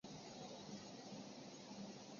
锋区的概念导致了气团概念的产生。